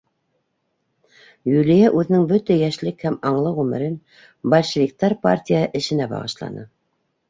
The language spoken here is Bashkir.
...Юлия үҙенең бөтә йәшлек һәм аңлы ғүмерен большевиктар партияһы эшенә бағышланы.